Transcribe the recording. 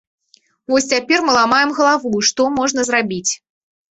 Вось цяпер мы ламаем галаву, што можна зрабіць.